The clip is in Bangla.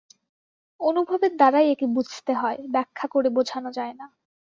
অনুভবের দ্বারাই একে বুঝতে হয়, ব্যাখ্যা করে বোঝানো যায় না।